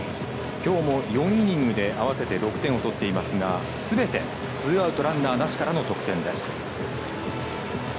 きょうも４イニングで合わせて６点を取っていますがすべてツーアウトランナーなしからの得点です。